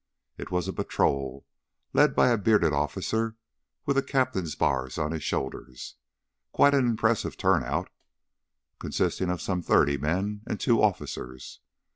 It was a patrol, led by a bearded officer with a captain's bars on his shoulders quite an impressive turnout, consisting of some thirty men and two officers.